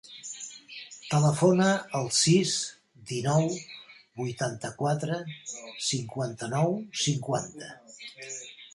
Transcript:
Telefona al sis, dinou, vuitanta-quatre, cinquanta-nou, cinquanta.